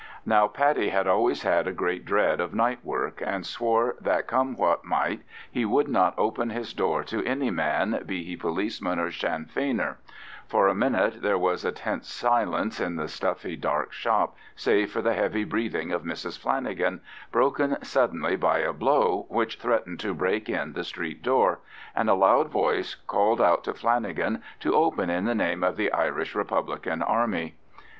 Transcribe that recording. Now Paddy had always had a great dread of night work, and swore that come what might he would not open his door to any man, be he policeman or Sinn Feiner: for a minute there was a tense silence in the stuffy dark shop, save for the heavy breathing of Mrs Flanagan, broken suddenly by a blow which threatened to break in the street door, and a loud voice called out to Flanagan to open in the name of the Irish Republican Army.